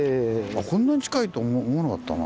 こんなに近いと思わなかったな。